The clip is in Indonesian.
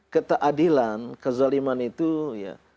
keteadilan kezaliman itu ya